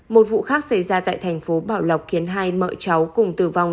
một vụ khác xảy ra tại thành phố bảo lộc khiến hai vợ cháu cùng tử vong